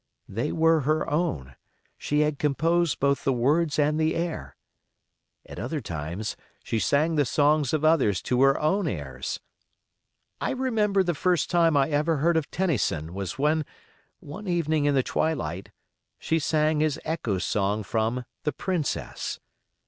They were her own; she had composed both the words and the air. At other times she sang the songs of others to her own airs. I remember the first time I ever heard of Tennyson was when, one evening in the twilight, she sang his echo song from "The Princess".